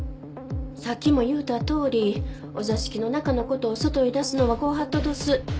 さっきも言うたとおりお座敷の中の事を外へ出すのはご法度どす。